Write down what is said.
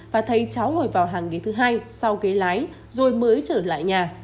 và thấy cháu ngồi vào hàng ghế thứ hai sau ghế lái rồi mới trở lại nhà